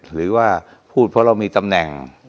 หรือว่าพูดเพราะเรามีตำแหน่ง